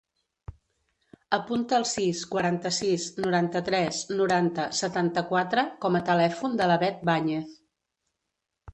Apunta el sis, quaranta-sis, noranta-tres, noranta, setanta-quatre com a telèfon de la Beth Bañez.